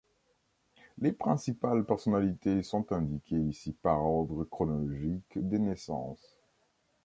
Les principales personnalités sont indiquées ici par ordre chronologique des naissances.